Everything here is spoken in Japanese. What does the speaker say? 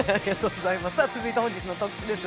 続いて、本日の特集です。